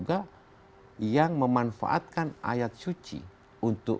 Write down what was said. p beardkiej yang memours sudah menospok